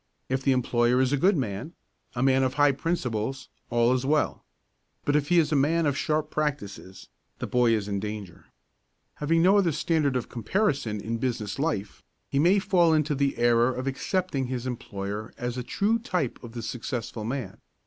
If the employer is a good man, a man of high principles, all is well. But if he is a man of sharp practices, the boy is in danger. Having no other standard of comparison in business life, he may fall into the error of accepting his employer as a true type of the successful man.